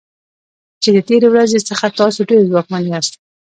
چې د تیرې ورځې څخه تاسو ډیر ځواکمن یاست.